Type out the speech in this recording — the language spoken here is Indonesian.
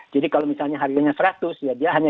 jadi kalau misalnya harganya seratus ya dia hanya